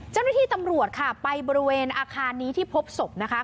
เจ้าหน้าที่ตำรวจค่ะไปบริเวณอาคารนี้ที่พบศพนะคะ